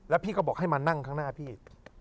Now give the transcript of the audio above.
พี่ก็บอกให้มานั่งข้างหน้าพี่